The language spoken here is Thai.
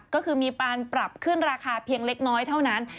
ก็คือมีการปรับขึ้นราคาเพียงเล็กน้อยเท่านั้น